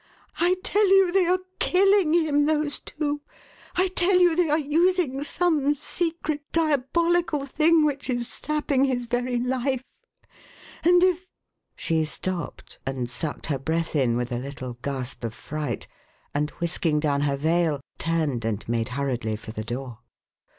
I tell you they are killing him, those two; I tell you they are using some secret diabolical thing which is sapping his very life; and if " She stopped and sucked her breath in with a little gasp of fright, and, whisking down her veil, turned and made hurriedly for the door.